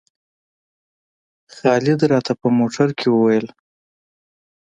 خالد راته په موټر کې وویل.